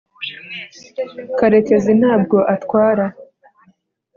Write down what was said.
karekezi ntabwo atwara